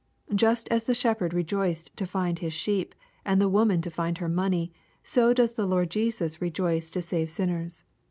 Just as the shepherd rejoiced to find his sheep, and the woman to find her money, so does the Lord Jesus rejoice to save dinners.